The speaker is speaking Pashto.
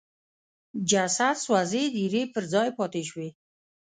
جسد سوځېد ایرې پر ځای پاتې شوې.